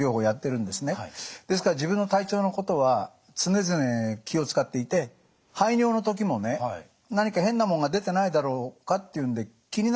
ですから自分の体調のことは常々気を遣っていて排尿の時もね何か変なもんが出てないだろうかっていうんで気になるんですよ。